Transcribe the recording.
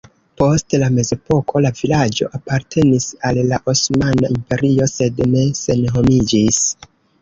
Post la mezepoko la vilaĝo apartenis al la Osmana Imperio sed ne senhomiĝis.